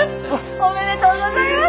おめでとうございます。